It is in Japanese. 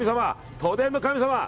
都電の神様！